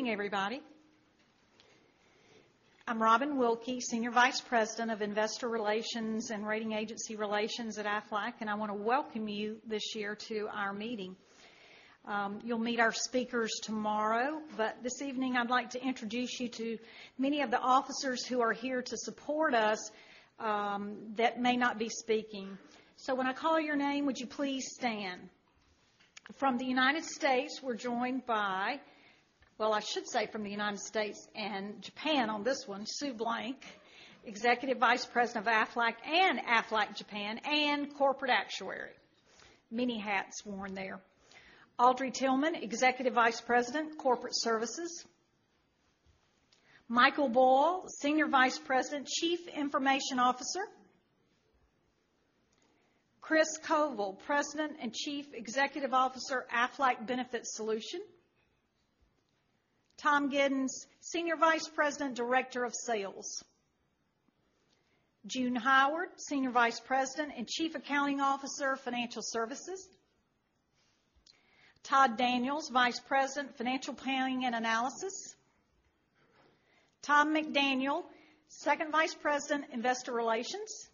Good evening, everybody. I'm Robin Wilkey, Senior Vice President of Investor Relations and Rating Agency Relations at Aflac. I want to welcome you this year to our meeting. You'll meet our speakers tomorrow. This evening I'd like to introduce you to many of the officers who are here to support us, that may not be speaking. When I call your name, would you please stand? From the U.S., we're joined by, well, I should say from the U.S. and Japan on this one, Sue Blanck, Executive Vice President of Aflac and Aflac Japan and Corporate Actuary. Many hats worn there. Audrey Tillman, Executive Vice President, Corporate Services. Michael Ball, Senior Vice President, Chief Information Officer. Chris Covell, President and Chief Executive Officer, Aflac Benefits Solution. Tom Giddens, Senior Vice President, Director of Sales. June Howard, Senior Vice President and Chief Accounting Officer, Financial Services. Todd Daniels, Vice President, Financial Planning and Analysis. Tom McDaniel, Second Vice President, Investor Relations.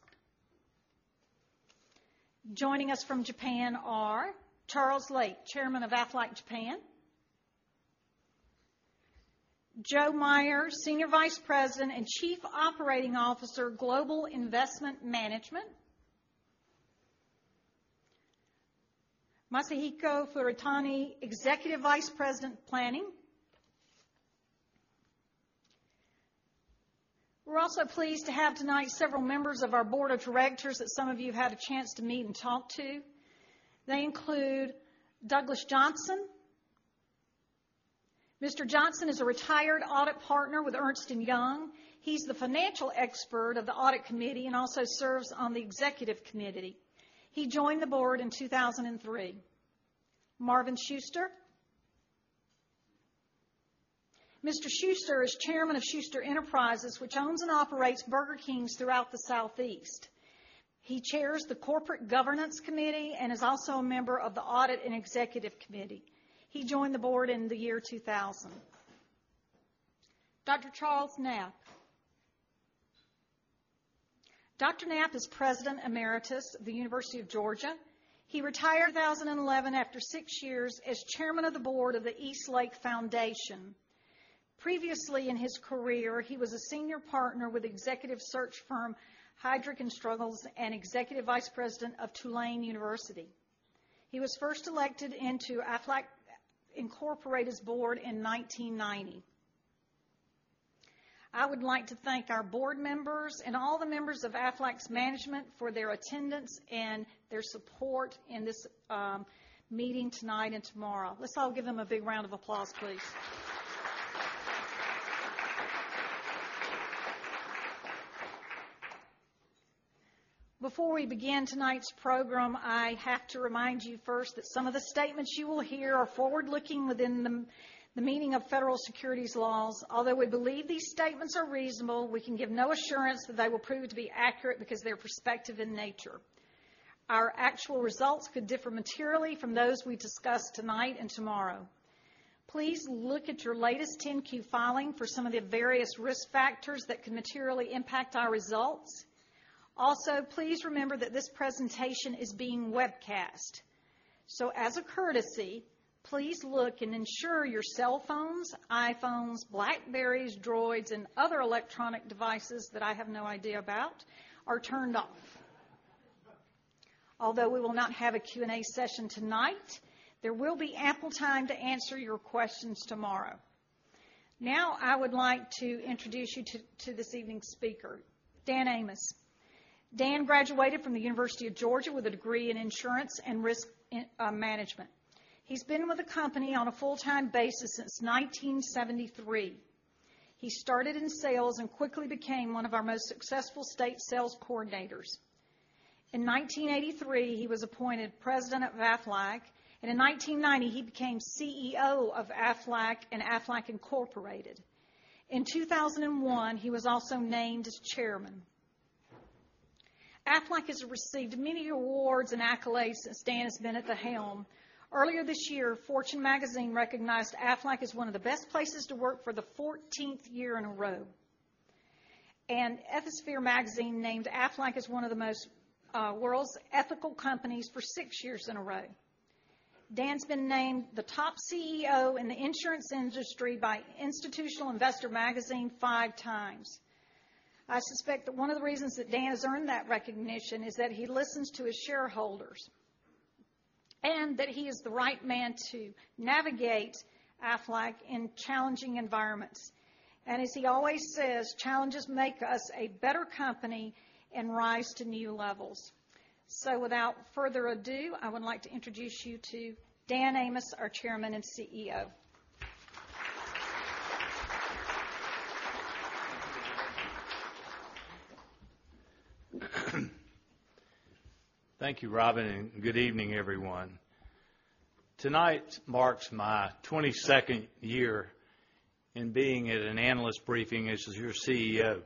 Joining us from Japan are Charles Lake, Chairman of Aflac Japan. Joe Meyer, Senior Vice President and Chief Operating Officer, Global Investment Management. Masahiko Furutani, Executive Vice President, Planning. We're also pleased to have tonight several members of our board of directors that some of you have had a chance to meet and talk to. They include Douglas Johnson. Mr. Johnson is a retired audit partner with Ernst & Young. He's the financial expert of the audit committee and also serves on the executive committee. He joined the board in 2003. Marvin Schuster. Mr. Schuster is chairman of Schuster Enterprises, which owns and operates Burger King throughout the Southeast. He chairs the corporate governance committee and is also a member of the audit and executive committee. He joined the board in the year 2000. Dr. Charles Knapp. Dr. Knapp is President Emeritus of the University of Georgia. He retired in 2011 after six years as chairman of the board of the East Lake Foundation. Previously in his career, he was a senior partner with executive search firm Heidrick & Struggles and Executive Vice President of Tulane University. He was first elected into Aflac Incorporated's board in 1990. I would like to thank our board members and all the members of Aflac's management for their attendance and their support in this meeting tonight and tomorrow. Let's all give them a big round of applause, please. Before we begin tonight's program, I have to remind you first that some of the statements you will hear are forward-looking within the meaning of federal securities laws. Although we believe these statements are reasonable, we can give no assurance that they will prove to be accurate because they are perspective in nature. Our actual results could differ materially from those we discuss tonight and tomorrow. Please look at your latest 10-Q filing for some of the various risk factors that could materially impact our results. Also, please remember that this presentation is being webcast. As a courtesy, please look and ensure your cell phones, iPhones, BlackBerrys, Droids, and other electronic devices that I have no idea about are turned off. Although we will not have a Q&A session tonight, there will be ample time to answer your questions tomorrow. Now, I would like to introduce you to this evening's speaker, Dan Amos. Dan graduated from the University of Georgia with a degree in insurance and risk management. He's been with the company on a full-time basis since 1973. He started in sales and quickly became one of our most successful state sales coordinators. In 1983, he was appointed president of Aflac, in 1990, he became CEO of Aflac and Aflac Incorporated. In 2001, he was also named as Chairman. Aflac has received many awards and accolades since Dan has been at the helm. Earlier this year, Fortune magazine recognized Aflac as one of the best places to work for the 14th year in a row. Ethisphere magazine named Aflac as one of the world's most ethical companies for six years in a row. Dan's been named the top CEO in the insurance industry by Institutional Investor magazine five times. I suspect that one of the reasons that Dan has earned that recognition is that he listens to his shareholders, and that he is the right man to navigate Aflac in challenging environments. As he always says, challenges make us a better company and rise to new levels. Without further ado, I would like to introduce you to Dan Amos, our Chairman and CEO. Thank you, Robin, and good evening, everyone. Tonight marks my 22nd year in being at an analyst briefing as your CEO.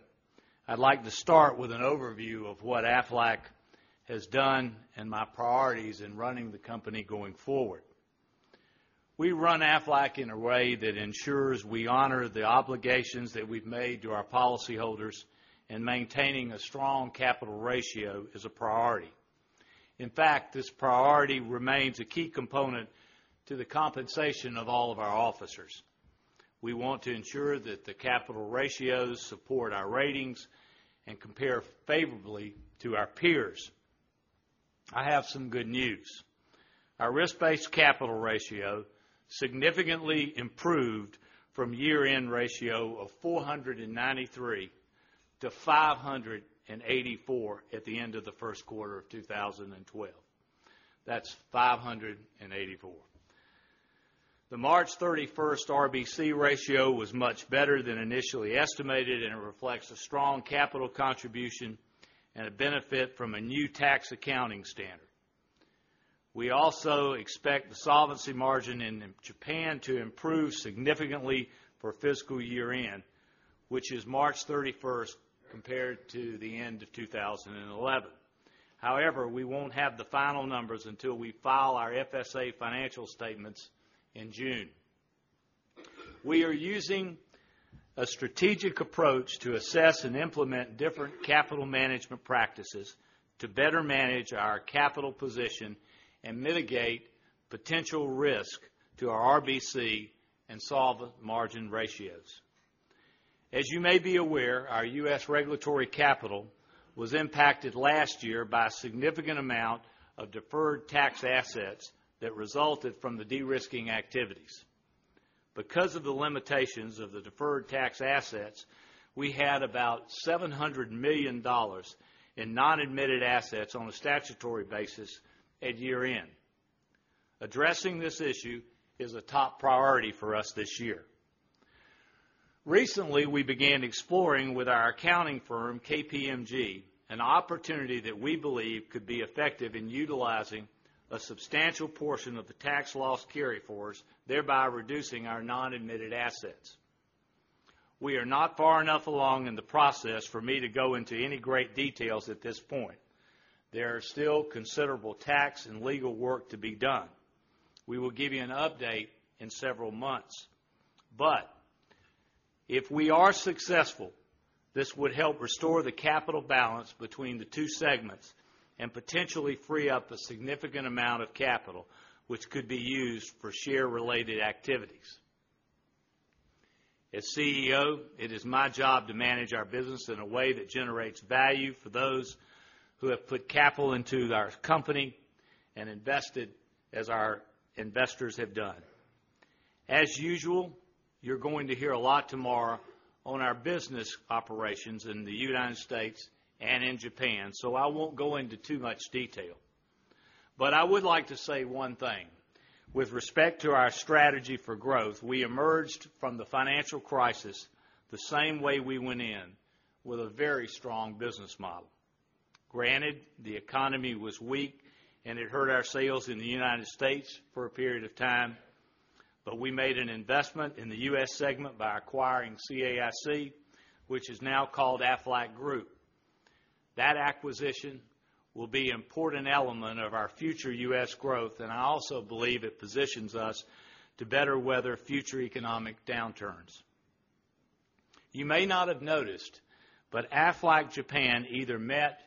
I'd like to start with an overview of what Aflac has done and my priorities in running the company going forward. We run Aflac in a way that ensures we honor the obligations that we've made to our policyholders, and maintaining a strong capital ratio is a priority. In fact, this priority remains a key component to the compensation of all of our officers. We want to ensure that the capital ratios support our ratings and compare favorably to our peers. I have some good news. Our risk-based capital ratio significantly improved from year-end ratio of 493 to 584 at the end of the first quarter of 2012. That's 584. The March 31st RBC ratio was much better than initially estimated, and it reflects a strong capital contribution and a benefit from a new tax accounting standard. We also expect the solvency margin in Japan to improve significantly for fiscal year-end, which is March 31st, compared to the end of 2011. However, we won't have the final numbers until we file our FSA financial statements in June. We are using a strategic approach to assess and implement different capital management practices to better manage our capital position and mitigate potential risk to our RBC and solvency margin ratios. As you may be aware, our U.S. regulatory capital was impacted last year by a significant amount of deferred tax assets that resulted from the de-risking activities. Because of the limitations of the deferred tax assets, we had about $700 million in non-admitted assets on a statutory basis at year-end. Addressing this issue is a top priority for us this year. Recently, we began exploring with our accounting firm, KPMG, an opportunity that we believe could be effective in utilizing a substantial portion of the tax loss carryforwards, thereby reducing our non-admitted assets. We are not far enough along in the process for me to go into any great details at this point. There are still considerable tax and legal work to be done. We will give you an update in several months. If we are successful, this would help restore the capital balance between the two segments and potentially free up a significant amount of capital, which could be used for share-related activities. As CEO, it is my job to manage our business in a way that generates value for those who have put capital into our company and invested as our investors have done. As usual, you're going to hear a lot tomorrow on our business operations in the United States and in Japan, I won't go into too much detail. I would like to say one thing. With respect to our strategy for growth, we emerged from the financial crisis the same way we went in, with a very strong business model. Granted, the economy was weak, and it hurt our sales in the United States for a period of time, we made an investment in the U.S. segment by acquiring CAIC, which is now called Aflac Group. That acquisition will be an important element of our future U.S. growth, I also believe it positions us to better weather future economic downturns. You may not have noticed, Aflac Japan either met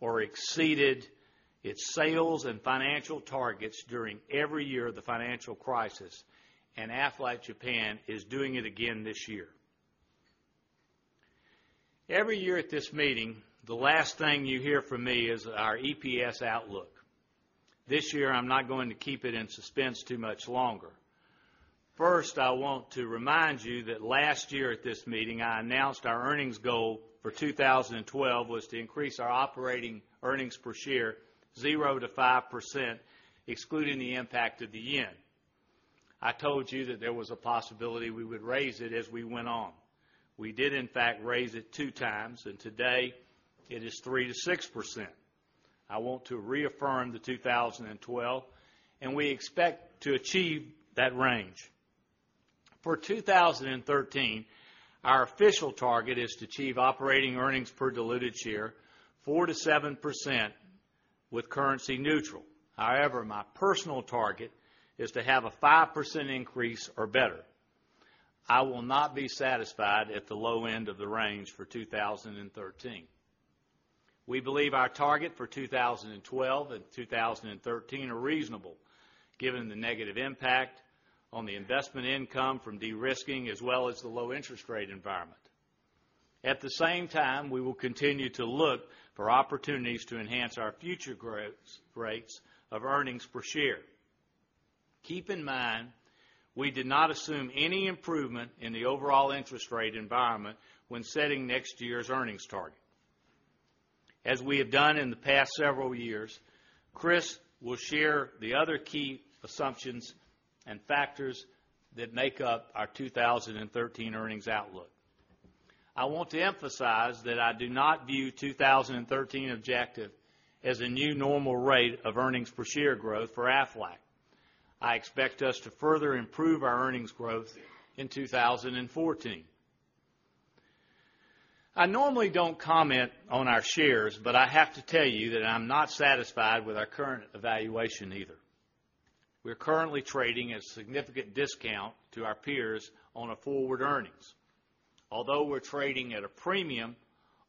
or exceeded its sales and financial targets during every year of the financial crisis, Aflac Japan is doing it again this year. Every year at this meeting, the last thing you hear from me is our EPS outlook. This year, I'm not going to keep it in suspense too much longer. First, I want to remind you that last year at this meeting, I announced our earnings goal for 2012 was to increase our operating earnings per share 0%-5%, excluding the impact of the yen. I told you that there was a possibility we would raise it as we went on. We did, in fact, raise it two times, and today it is 3%-6%. I want to reaffirm the 2012, We expect to achieve that range. For 2013, our official target is to achieve operating earnings per diluted share 4%-7% with currency neutral. However, my personal target is to have a 5% increase or better. I will not be satisfied at the low end of the range for 2013. We believe our target for 2012 and 2013 are reasonable given the negative impact on the investment income from de-risking as well as the low interest rate environment. At the same time, we will continue to look for opportunities to enhance our future growth rates of earnings per share. Keep in mind, we did not assume any improvement in the overall interest rate environment when setting next year's earnings target. As we have done in the past several years, Chris will share the other key assumptions and factors that make up our 2013 earnings outlook. I want to emphasize that I do not view 2013 objective as a new normal rate of earnings per share growth for Aflac. I expect us to further improve our earnings growth in 2014. I normally don't comment on our shares, but I have to tell you that I'm not satisfied with our current evaluation either. We are currently trading at a significant discount to our peers on a forward earnings. Although we're trading at a premium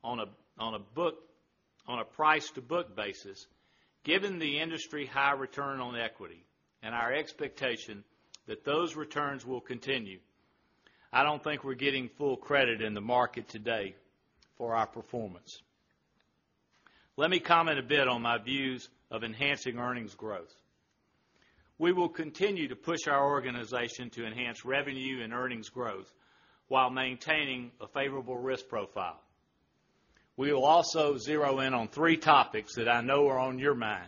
on a price-to-book basis, given the industry high return on equity and our expectation that those returns will continue, I don't think we're getting full credit in the market today for our performance. Let me comment a bit on my views of enhancing earnings growth. We will continue to push our organization to enhance revenue and earnings growth while maintaining a favorable risk profile. We will also zero in on three topics that I know are on your mind.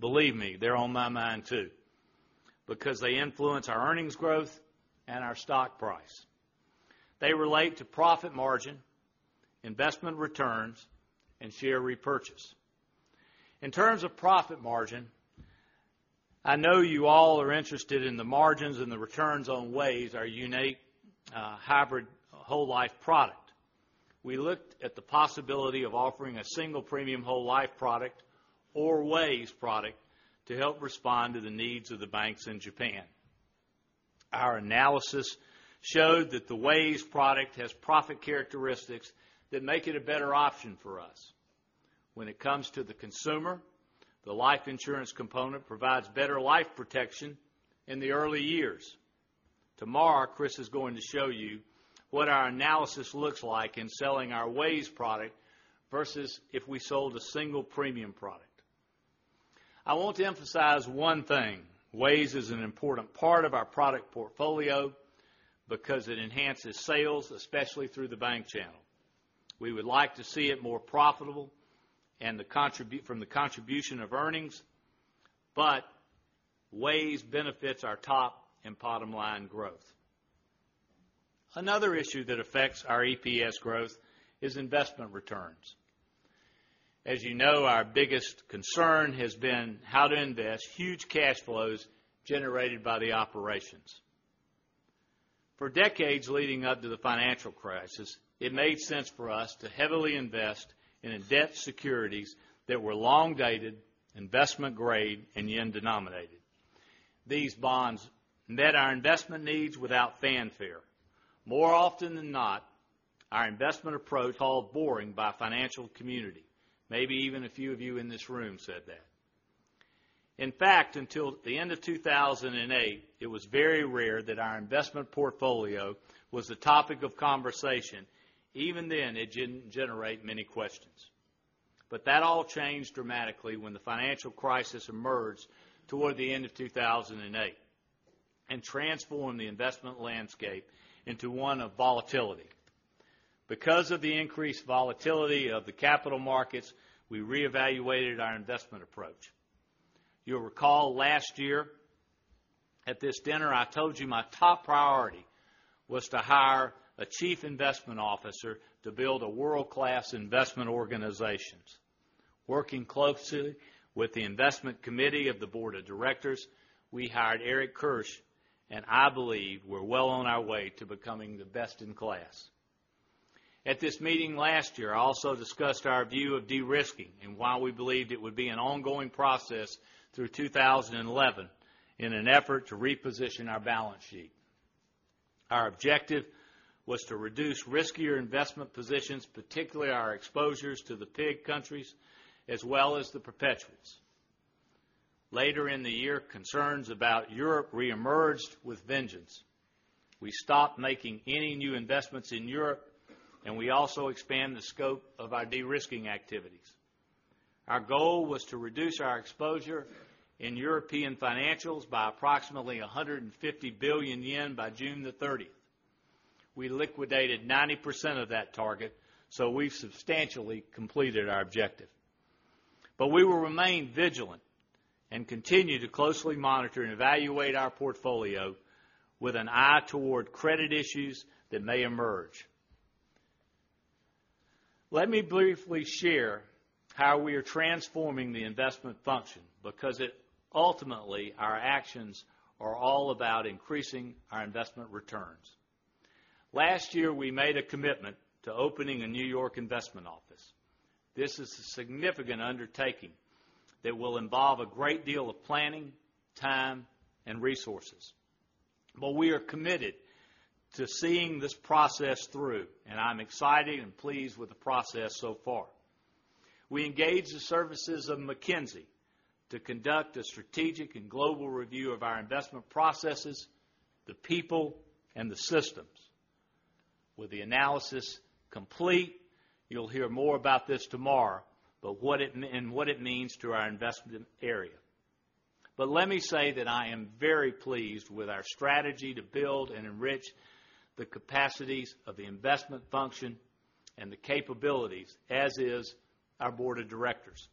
Believe me, they're on my mind too, because they influence our earnings growth and our stock price. They relate to profit margin, investment returns, and share repurchase. In terms of profit margin, I know you all are interested in the margins and the returns on WAYS, our unique, hybrid whole life product. We looked at the possibility of offering a single premium whole life product or WAYS product to help respond to the needs of the banks in Japan. Our analysis showed that the WAYS product has profit characteristics that make it a better option for us. When it comes to the consumer, the life insurance component provides better life protection in the early years. Tomorrow, Chris is going to show you what our analysis looks like in selling our WAYS product versus if we sold a single premium product. I want to emphasize one thing, WAYS is an important part of our product portfolio because it enhances sales, especially through the bank channel. We would like to see it more profitable from the contribution of earnings, but WAYS benefits our top and bottom line growth. Another issue that affects our EPS growth is investment returns. As you know, our biggest concern has been how to invest huge cash flows generated by the operations. For decades leading up to the financial crisis, it made sense for us to heavily invest in debt securities that were long-dated, investment grade, and yen-denominated. These bonds met our investment needs without fanfare. More often than not, our investment approach was called boring by financial community, maybe even a few of you in this room said that. In fact, until the end of 2008, it was very rare that our investment portfolio was the topic of conversation. Even then, it didn't generate many questions. That all changed dramatically when the financial crisis emerged toward the end of 2008 and transformed the investment landscape into one of volatility. Because of the increased volatility of the capital markets, we reevaluated our investment approach. You'll recall last year at this dinner, I told you my top priority was to hire a Chief Investment Officer to build a world-class investment organization. Working closely with the investment committee of the board of directors, we hired Eric Kirsch, and I believe we're well on our way to becoming the best in class. At this meeting last year, I also discussed our view of de-risking and why we believed it would be an ongoing process through 2011 in an effort to reposition our balance sheet. Our objective was to reduce riskier investment positions, particularly our exposures to the PIIGS countries, as well as the perpetuals. Later in the year, concerns about Europe reemerged with vengeance. We stopped making any new investments in Europe, and we also expanded the scope of our de-risking activities. Our goal was to reduce our exposure in European financials by approximately 150 billion yen by June 30th. We liquidated 90% of that target. We've substantially completed our objective. We will remain vigilant and continue to closely monitor and evaluate our portfolio with an eye toward credit issues that may emerge. Let me briefly share how we are transforming the investment function, because ultimately, our actions are all about increasing our investment returns. Last year, we made a commitment to opening a New York investment office. This is a significant undertaking that will involve a great deal of planning, time, and resources. We are committed to seeing this process through, and I'm excited and pleased with the process so far. We engaged the services of McKinsey to conduct a strategic and global review of our investment processes, the people, and the systems. With the analysis complete, you'll hear more about this tomorrow, and what it means to our investment area. Let me say that I am very pleased with our strategy to build and enrich the capacities of the investment function and the capabilities, as is our board of directors.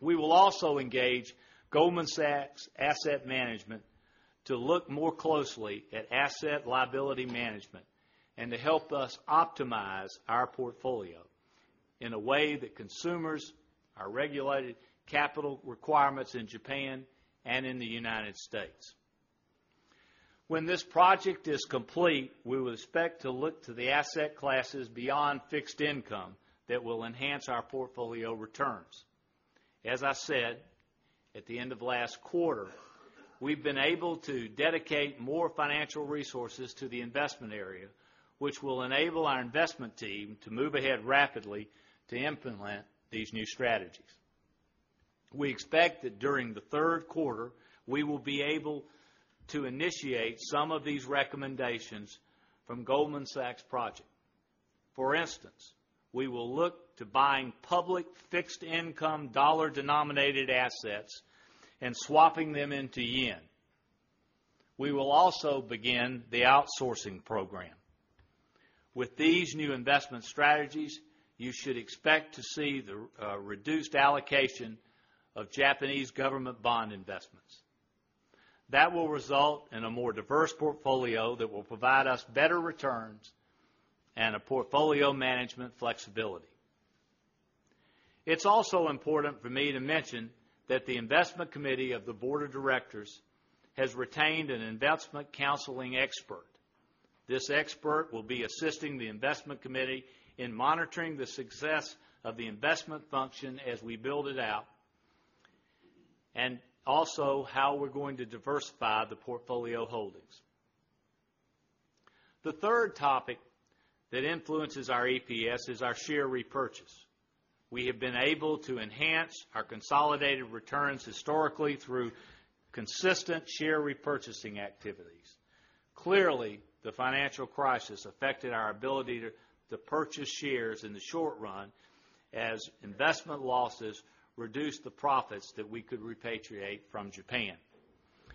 We will also engage Goldman Sachs Asset Management to look more closely at asset liability management and to help us optimize our portfolio. In a way that considers regulated capital requirements in Japan and in the United States. When this project is complete, we will expect to look to the asset classes beyond fixed income that will enhance our portfolio returns. As I said, at the end of last quarter, we've been able to dedicate more financial resources to the investment area, which will enable our investment team to move ahead rapidly to implement these new strategies. We expect that during the third quarter, we will be able to initiate some of these recommendations from Goldman Sachs project. For instance, we will look to buying public fixed income dollar-denominated assets and swapping them into JPY. We will also begin the outsourcing program. With these new investment strategies, you should expect to see the reduced allocation of Japanese government bond investments. That will result in a more diverse portfolio that will provide us better returns and a portfolio management flexibility. It's also important for me to mention that the investment committee of the board of directors has retained an investment counseling expert. This expert will be assisting the investment committee in monitoring the success of the investment function as we build it out, and also how we're going to diversify the portfolio holdings. The third topic that influences our EPS is our share repurchase. We have been able to enhance our consolidated returns historically through consistent share repurchasing activities. Clearly, the financial crisis affected our ability to purchase shares in the short run as investment losses reduced the profits that we could repatriate from Japan.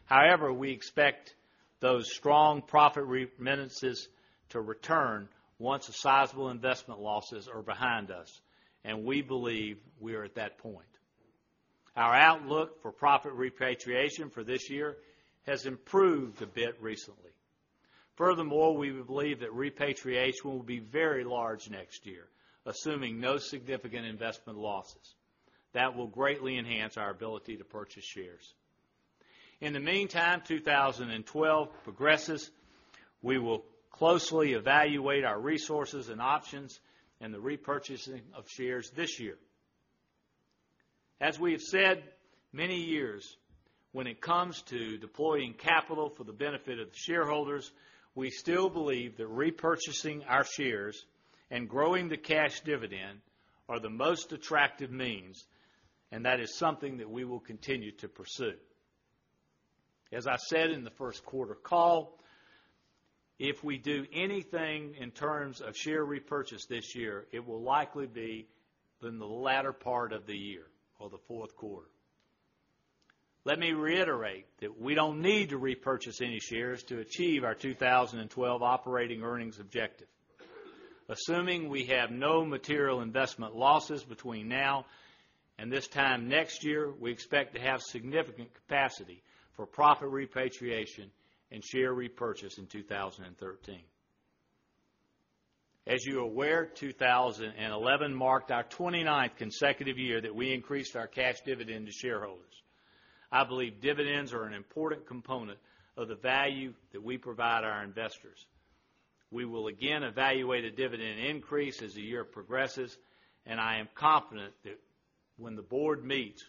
However, we expect those strong profit remittances to return once the sizable investment losses are behind us, and we believe we are at that point. Our outlook for profit repatriation for this year has improved a bit recently. Furthermore, we believe that repatriation will be very large next year, assuming no significant investment losses. That will greatly enhance our ability to purchase shares. In the meantime, 2012 progresses, we will closely evaluate our resources and options and the repurchasing of shares this year. As we have said many years, when it comes to deploying capital for the benefit of the shareholders, we still believe that repurchasing our shares and growing the cash dividend are the most attractive means, and that is something that we will continue to pursue. As I said in the first quarter call, if we do anything in terms of share repurchase this year, it will likely be in the latter part of the year or the fourth quarter. Let me reiterate that we don't need to repurchase any shares to achieve our 2012 operating earnings objective. Assuming we have no material investment losses between now and this time next year, we expect to have significant capacity for profit repatriation and share repurchase in 2013. As you are aware, 2011 marked our 29th consecutive year that we increased our cash dividend to shareholders. I believe dividends are an important component of the value that we provide our investors. We will again evaluate a dividend increase as the year progresses, I am confident that when the board meets,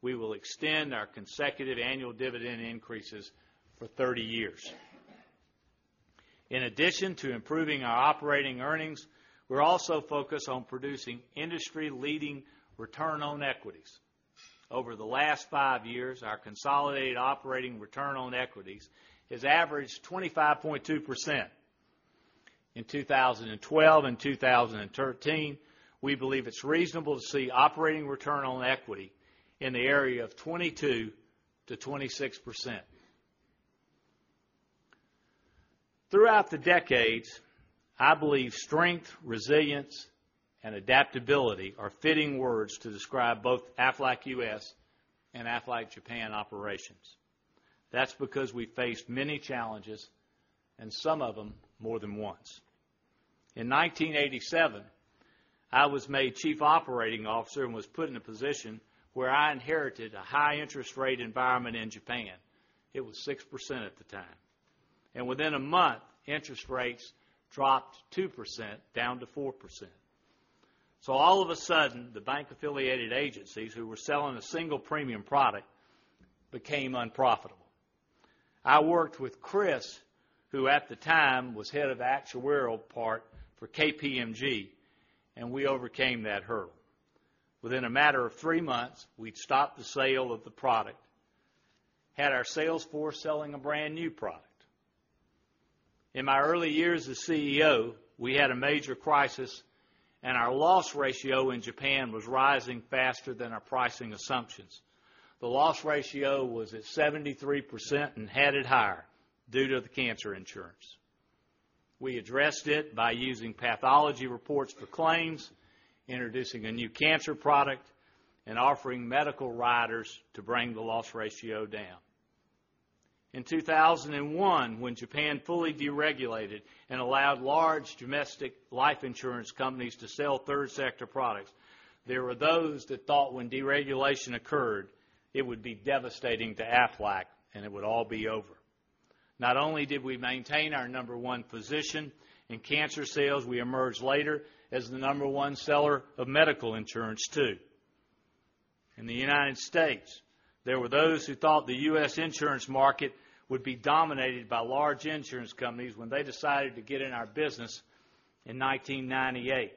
we will extend our consecutive annual dividend increases for 30 years. In addition to improving our operating earnings, we're also focused on producing industry-leading return on equities. Over the last five years, our consolidated operating return on equities has averaged 25.2%. In 2012 and 2013, we believe it's reasonable to see operating return on equity in the area of 22%-26%. Throughout the decades, I believe strength, resilience, and adaptability are fitting words to describe both Aflac U.S. and Aflac Japan operations. That's because we faced many challenges, some of them more than once. In 1987, I was made chief operating officer and was put in a position where I inherited a high interest rate environment in Japan. It was 6% at the time. Within a month, interest rates dropped 2% down to 4%. All of a sudden, the bank-affiliated agencies who were selling a single premium product became unprofitable. I worked with Chris, who at the time was head of the actuarial part for KPMG, we overcame that hurdle. Within a matter of three months, we'd stopped the sale of the product, had our sales force selling a brand-new product. In my early years as CEO, we had a major crisis, our loss ratio in Japan was rising faster than our pricing assumptions. The loss ratio was at 73% and headed higher due to the cancer insurance. We addressed it by using pathology reports for claims, introducing a new cancer product, and offering medical riders to bring the loss ratio down. In 2001, when Japan fully deregulated and allowed large domestic life insurance companies to sell third sector products, there were those that thought when deregulation occurred, it would be devastating to Aflac, it would all be over. Not only did we maintain our number one position in cancer sales, we emerged later as the number one seller of medical insurance too. In the United States, there were those who thought the U.S. insurance market would be dominated by large insurance companies when they decided to get in our business in 1998.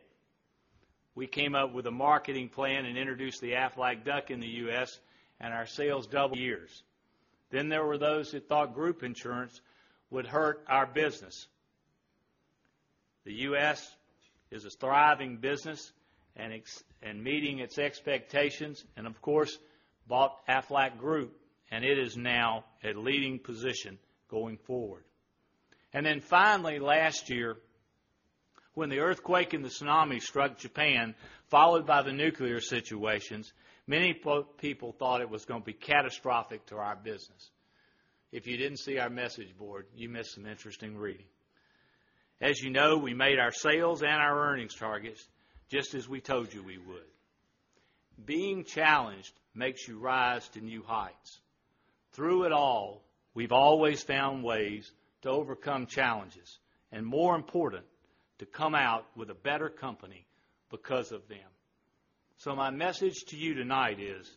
We came up with a marketing plan and introduced the Aflac Duck in the U.S. and our sales doubled years. There were those who thought group insurance would hurt our business. The U.S. is a thriving business and meeting its expectations, and of course, bought Aflac Group, and it is now a leading position going forward. Finally last year, when the earthquake and the tsunami struck Japan, followed by the nuclear situations, many people thought it was going to be catastrophic to our business. If you didn't see our message board, you missed some interesting reading. As you know, we made our sales and our earnings targets, just as we told you we would. Being challenged makes you rise to new heights. Through it all, we've always found ways to overcome challenges, and more important, to come out with a better company because of them. My message to you tonight is,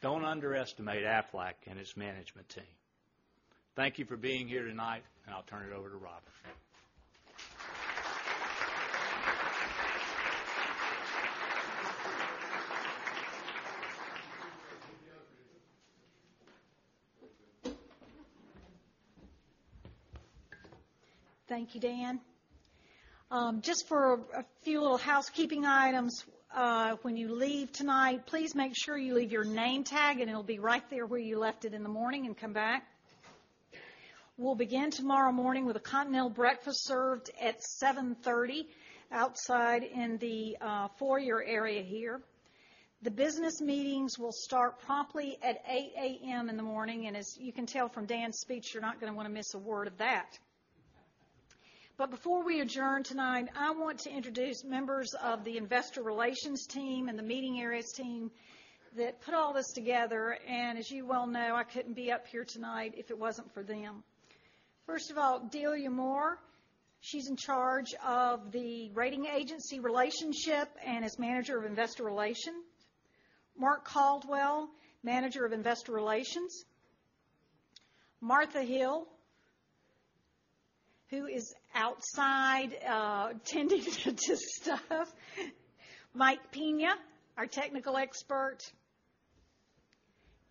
don't underestimate Aflac and its management team. Thank you for being here tonight, and I'll turn it over to Robin. Thank you, Dan. Just for a few little housekeeping items. When you leave tonight, please make sure you leave your name tag and it'll be right there where you left it in the morning and come back. We'll begin tomorrow morning with a continental breakfast served at 7:30 A.M., outside in the foyer area here. The business meetings will start promptly at 8:00 A.M. in the morning, as you can tell from Dan's speech, you're not going to want to miss a word of that. Before we adjourn tonight, I want to introduce members of the investor relations team and the meeting areas team that put all this together. As you well know, I couldn't be up here tonight if it wasn't for them. First of all, Delia Moore. She's in charge of the rating agency relationship and is manager of investor relations. Mark Caldwell, manager of investor relations. Martha Hill, who is outside tending to just stuff. Mike Pina, our technical expert.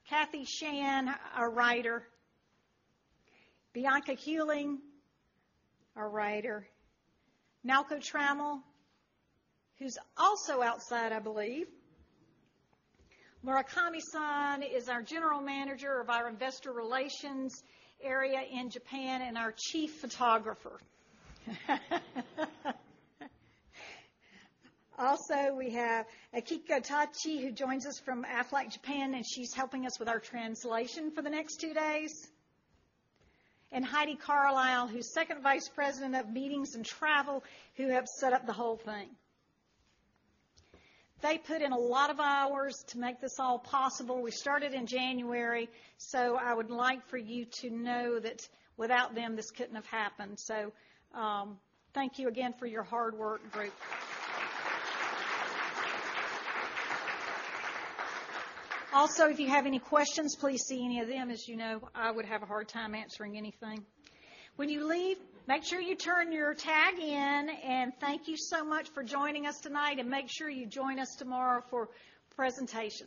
Cathy Shand, our writer. Bianca Huling, our writer. Malcolm Trammell, who's also outside, I believe. Murakami-san is our General Manager of our investor relations area in Japan and our chief photographer. We have Akiko Tachi, who joins us from Aflac Japan, and she's helping us with our translation for the next two days. Heidi Carlisle, who's Second Vice President of Meetings and Travel, who have set up the whole thing. They put in a lot of hours to make this all possible. We started in January, I would like for you to know that without them, this couldn't have happened. Thank you again for your hard work, group. If you have any questions, please see any of them. As you know, I would have a hard time answering anything. When you leave, make sure you turn your tag in. Thank you so much for joining us tonight. Make sure you join us tomorrow for presentations.